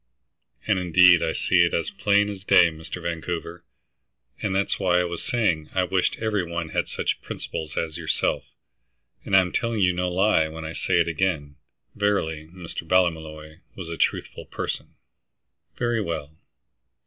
"And indeed, I see it as plain as day, Mr. Vancouver. And that's why I was saying I wished every one had such principles as yourself, and I'm telling you no lie when I say it again." Verily Mr. Ballymolloy was a truthful person! "Very well.